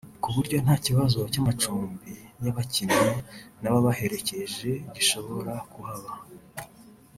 ku buryo nta kibazo cy’amacumbi y’abakinnyi n’ababaherekeje gishobora kuhaba